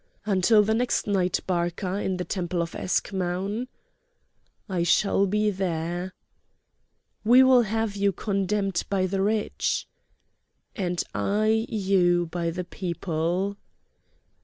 "Until the next night, Barca, in the temple of Eschmoun!" "I shall be there!" "We will have you condemned by the rich!" "And I you by the people!"